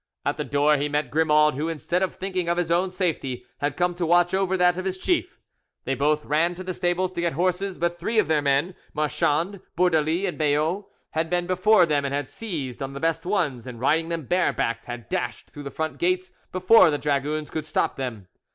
At the door he met Grimaud, who, instead of thinking of his own safety, had come to watch over that of his chief. They both ran to the stables to get horses, but three of their men—Marchand, Bourdalie, and Bayos—had been before them and had seized on the best ones, and riding them bare backed had dashed through the front gates before the dragoons could stop them.